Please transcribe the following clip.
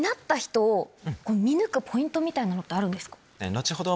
後ほど